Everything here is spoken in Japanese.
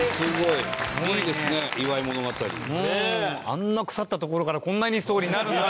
あんな腐ったところからこんないいストーリーになるんだ。